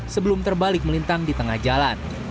sebelum terbalik melintang di tengah jalan